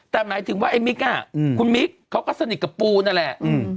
แต่หมายถึงว่าไอ้มิก่าอืมคุณมิกก็สนิทกับปูนั่นแหละอืม